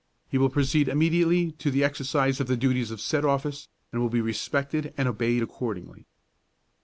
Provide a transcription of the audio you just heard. He will proceed immediately to the exercise of the duties of said office, and will be respected and obeyed accordingly.